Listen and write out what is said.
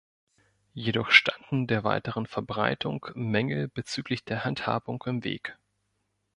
Jedoch standen der weiteren Verbreitung Mängel bezüglich der Handhabung im Weg.